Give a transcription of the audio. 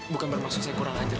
bukan bermaksud saya kurang ajar